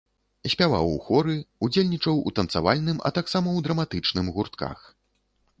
Спяваў у хоры, удзельнічаў у танцавальным, а таксама ў драматычным гуртках.